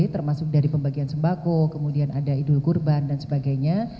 termasuk dari pembagian sembako kemudian ada idul kurban dan sebagainya